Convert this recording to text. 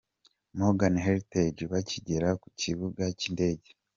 Mrgan Hertage bakigera ku kibuga cy'indege.